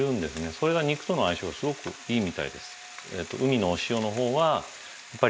それが肉との相性がすごくいいみたいです。